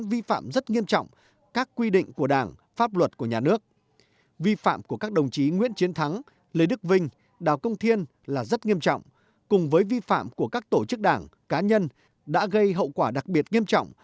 vi phạm của các đồng chí nguyễn chiến thắng lê đức vinh đào công thiên là rất nghiêm trọng cùng với vi phạm của các tổ chức đảng cá nhân đã gây hậu quả đặc biệt nghiêm trọng